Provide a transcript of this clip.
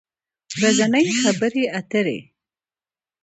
ورځنۍ خبری اتری